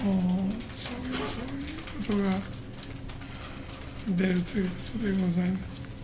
そういうことが出るということでございます。